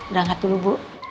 udah angkat dulu bu